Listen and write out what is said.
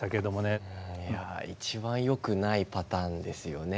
いや一番よくないパターンですよね。